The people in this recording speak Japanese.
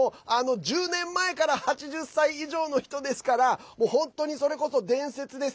１０年前から８０歳以上の人ですから本当にそれこそ伝説です。